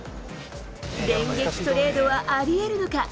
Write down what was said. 電撃トレードはありえるのか。